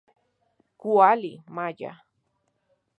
Kuali, maya.